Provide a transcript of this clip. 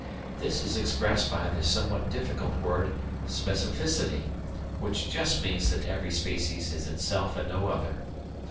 This is expressed by the somewhat difficult word specificity, which just means that every species is itself and no other.